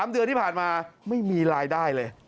๓เดือนที่ผ่านมาไม่มีรายได้เลย